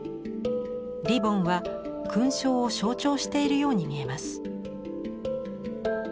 リボンは勲章を象徴しているように見えます。